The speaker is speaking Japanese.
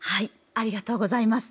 ありがとうございます。